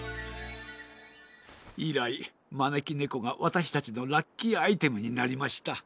いらいまねきねこがわたしたちのラッキーアイテムになりました。